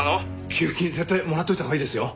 給付金絶対もらっておいたほうがいいですよ。